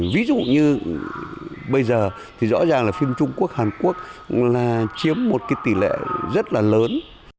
ví dụ như bây giờ thì rõ ràng là phim trung quốc hàn quốc là chiếm một cái tỷ lệ rất là lớn